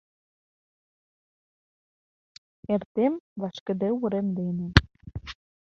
Эртем вашкыде урем дене